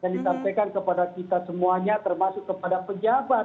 dan ditampilkan kepada kita semuanya termasuk kepada pejabat